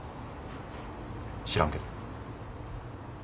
知らんけど。